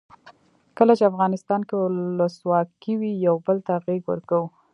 کله چې افغانستان کې ولسواکي وي یو بل ته غیږ ورکوو.